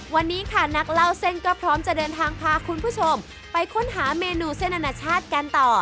วันนี้ค่ะนักเล่าเส้นก็พร้อมจะเดินทางพาคุณผู้ชมไปค้นหาเมนูเส้นอนาชาติกันต่อ